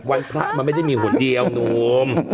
วันพระมันไม่ได้มีหนเดียวนม